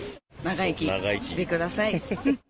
長生きしてください。